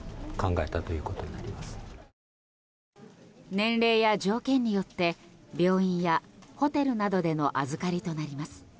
年齢や条件によって病院やホテルなどでの預かりとなります。